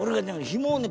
ひもをね